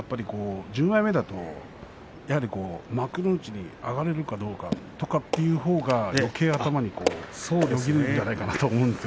特に１０枚目だと幕内に上がれるかどうかということのほうがよけいに頭によぎるんじゃないかなと思います。